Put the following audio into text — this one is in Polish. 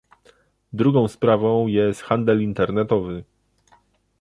Drugą sprawą jest handel internetowy